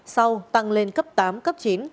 sau tăng lên cấp tám cấp chín